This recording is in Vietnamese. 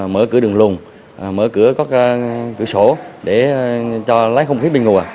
mở cửa đường lùng mở cửa các cửa sổ để cho lấy không khí bình ngùa